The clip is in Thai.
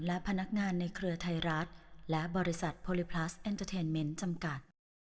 และพนักงานในเครือไทยรัฐและบริษัทโพลิพลัสเอ็นเตอร์เทนเมนต์จำกัด